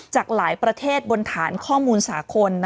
จากหลายประเทศบนฐานข้อมูลสากล